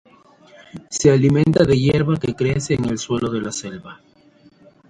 Se alimenta de hierba que crece en el suelo de la selva.